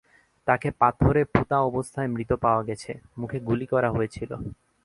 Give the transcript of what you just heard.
তাকে পাথরে পুঁতা অবস্থায় মৃত পাওয়া গেছে, মুখে গুলি করা হয়েছিল।